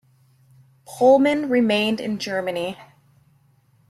Pohlmann remained in Germany.